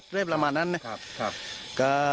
หรือคือประมาณนั้นนะ